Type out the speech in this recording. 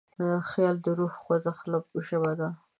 خیال د روح د خوځښت ژبه ده.